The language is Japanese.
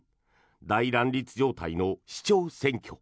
大乱立状態の市長選挙。